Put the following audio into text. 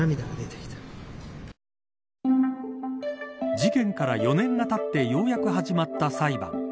事件から４年がたってようやく始まった裁判。